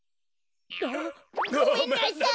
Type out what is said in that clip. ごめんなさい！